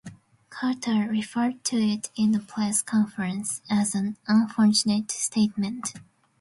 Carter referred to it in a press conference as an "unfortunate statement".